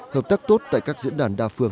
hợp tác tốt tại các diễn đàn đa phương